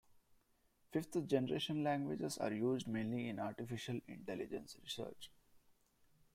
Fifth-generation languages are used mainly in artificial intelligence research.